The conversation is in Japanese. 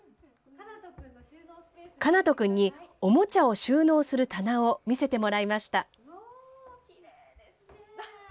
奏人君におもちゃを収納する棚を見せてもらいました。